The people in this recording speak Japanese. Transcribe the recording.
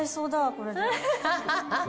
これで。